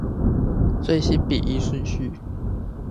最新筆譯順序